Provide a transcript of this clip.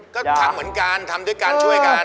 ก็ทำเหมือนกันทำด้วยกันช่วยกัน